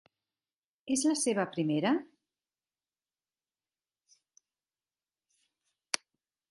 És la seva primera.?